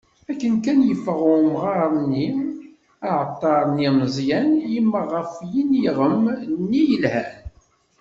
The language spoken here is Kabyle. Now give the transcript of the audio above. Akken kan yeffeγ umγar-nni, aεeṭṭar-nni ameẓyan, yemmeγ γef yiniγem-nni yelhan.